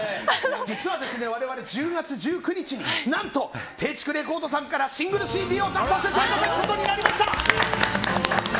実は、我々１０月１９日に何とテイチクレコードさんからシングルＣＤを出させていただくことになりました。